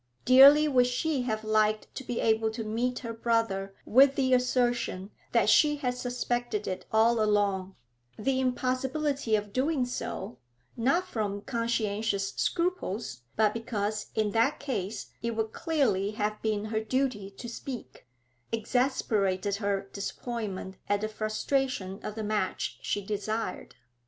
Dearly would she have liked to be able to meet her brother with the assertion that she had suspected it all along; the impossibility of doing so not from conscientious scruples, but because in that case it would clearly have been her duty to speak exasperated her disappointment at the frustration of the match she desired.